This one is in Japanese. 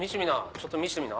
ちょっと見してみな。